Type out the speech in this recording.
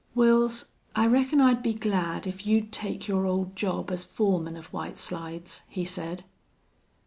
"Wils, I reckon I'd be glad if you'd take your old job as foreman of White Slides," he said.